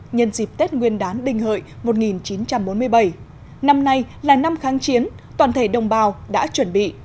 nhân dịp tết nguyên đán đình hợi một nghìn chín trăm bốn mươi bảy năm nay là năm kháng chiến toàn thể đồng bào đã chuẩn bị